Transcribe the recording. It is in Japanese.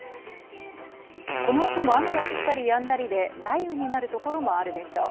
この後も雨が降ったりやんだりで雷雨になるところもあるでしょう。